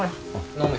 飲む人？